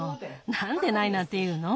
なんでないなんていうの？